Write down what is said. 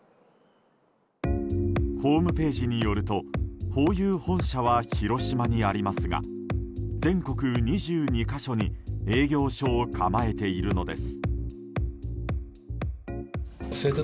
ホームページによるとホーユー本社は広島にありますが全国２２か所に営業所を構えているのです。